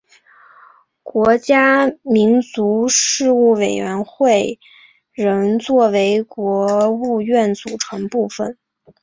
国家民族事务委员会仍作为国务院组成部门。